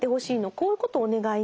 こういうことお願いね。